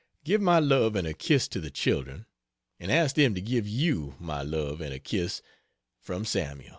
Give my love and a kiss to the children, and ask them to give you my love and a kiss from SAML.